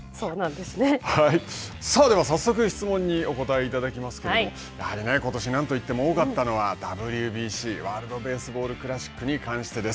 さあでは早速質問にお答えいただきますけどやはりことし何といっても多かったのは、ＷＢＣ＝ワールド・ベースボール・クラシックに関してです。